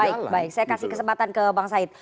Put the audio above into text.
baik baik saya kasih kesempatan ke bang said